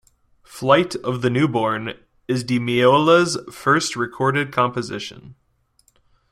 "Flight of the Newborn" is Di Meola's first recorded composition.